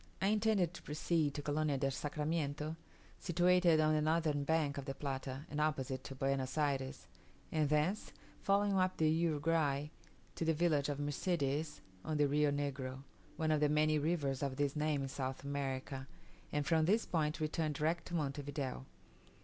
I intended to proceed to Colonia del Sacramiento, situated on the northern bank of the Plata and opposite to Buenos Ayres, and thence, following up the Uruguay, to the village of Mercedes on the Rio Negro (one of the many rivers of this name in South America), and from this point to return direct to Monte Video.